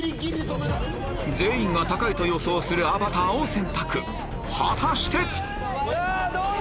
全員が高いと予想する『アバター』を選択果たして⁉さぁどうだ？